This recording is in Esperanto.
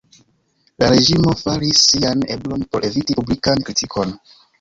La reĝimo faris sian eblon por eviti publikan kritikon.